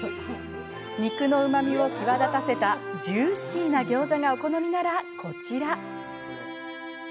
肉のうまみを際立たせたジューシーなギョーザがお好みならこちら。